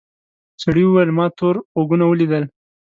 سړي وویل ما تور غوږونه ولیدل.